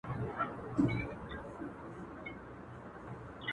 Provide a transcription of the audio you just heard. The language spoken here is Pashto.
په ښار کي دي مسجد هم میکدې لرې که نه,